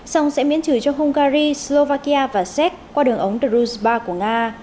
xong sẽ miễn trừ cho hungary slovakia và czech qua đường ống drusbar của nga